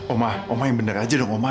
oma oma yang bener aja dong oma